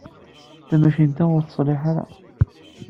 Tamacint-a ur teṣliḥ ara.